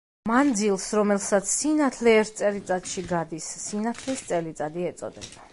მანძილს, რომელსაც სინათლე ერთ წელიწადში გადის, სინათლის წელიწადი ეწოდება.